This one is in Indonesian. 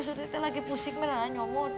surti teh lagi pusing beneran nyomot